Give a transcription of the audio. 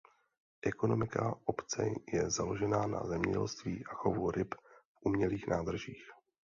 Ekonomika obce je založena na zemědělství a chovu ryb v umělých nádržích.